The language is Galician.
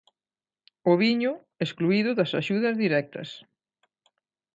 O viño, excluído das axudas directas.